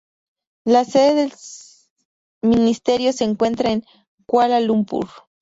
La sede del ministerio se encuentra en Kuala Lumpur.